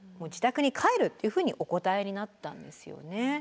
自宅に帰るというふうにお答えになったんですよね。